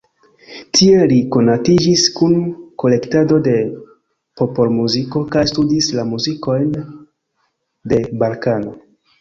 Tiel li konatiĝis kun kolektado de popolmuziko kaj studis la muzikojn de Balkano.